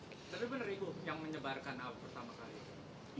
tapi benar ibu yang menyebarkan ahok pertama kali